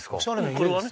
これはね